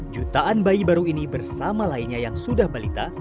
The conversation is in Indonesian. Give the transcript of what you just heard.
jutaan bayi baru ini bersama lainnya yang sudah balita